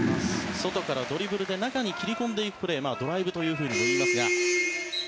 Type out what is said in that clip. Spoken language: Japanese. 外からドリブルで中に切り込んでいくプレーをドライブというふうにもいいますが。